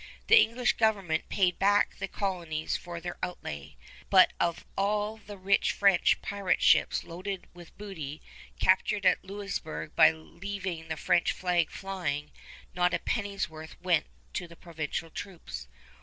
The English government paid back the colonies for their outlay, but of all the rich French pirate ships loaded with booty, captured at Louisburg by leaving the French flag flying, not a penny's worth went to the provincial troops.